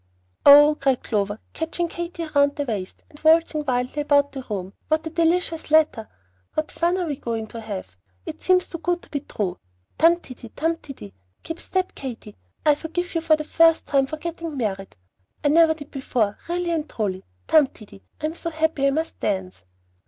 "Oh," cried Clover, catching Katy round the waist, and waltzing wildly about the room, "what a delicious letter! What fun we are going to have! It seems too good to be true. Tum ti ti, tum ti ti. Keep step, Katy. I forgive you for the first time for getting married. I never did before, really and truly. Tum ti ti; I am so happy that I must dance!"